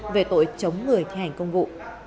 về tội chống người thi hành công vụ